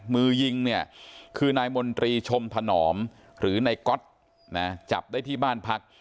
มือยิงเนี่ยคือนายมนตรีชมถนอมหรือนายก๊อตนะจับได้ที่บ้านพัก